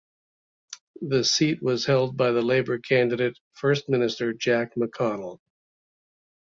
The seat was held by the Labour candidate: First Minister Jack McConnell.